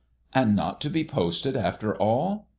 "And not to be posted after all?